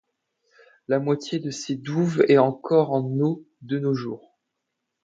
La moitié de ces douves est encore en eau, de nos jours.